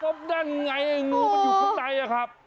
ก็นั่นไงงูมันอยู่ข้างในอะครับ